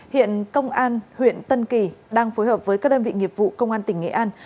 hiện công an huyện tân kỳ đang phối hợp với các đơn vị nghiệp vụ công an tỉnh nghệ an